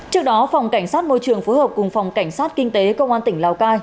trước đó phòng cảnh sát môi trường phối hợp cùng phòng cảnh sát kinh tế công an tỉnh lào cai